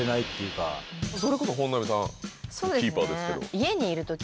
それこそ本並さんキーパーですけど。